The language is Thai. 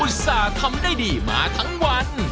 ต่าทำได้ดีมาทั้งวัน